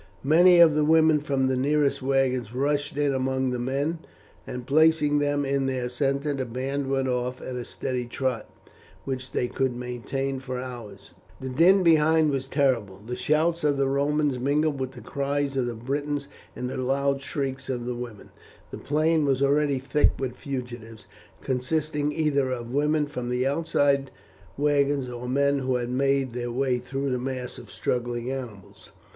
Many of the women from the nearest wagons rushed in among the men, and, placing them in their centre, the band went off at a steady trot, which they could maintain for hours. The din behind was terrible, the shouts of the Romans mingled with the cries of the Britons and the loud shrieks of women. The plain was already thick with fugitives, consisting either of women from the outside wagons or men who had made their way through the mass of struggling animals.